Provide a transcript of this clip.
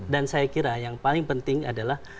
dan saya kira yang paling penting adalah